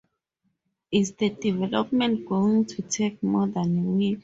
Is the development going to take more than a week?